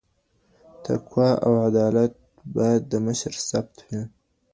تقوی او عدالت بايد د مشر صفت وي.